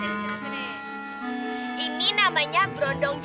nye orang jahat siapa yang nye orang jahat sih